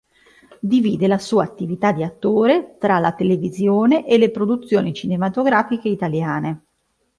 Divide la sua attività di attore tra la televisione e le produzioni cinematografiche italiane.